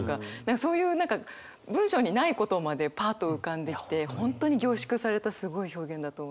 そういう何か文章にないことまでパッと浮かんできて本当に凝縮されたすごい表現だと思いますね。